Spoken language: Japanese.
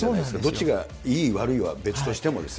どっちがいい悪いは別としてもですよ。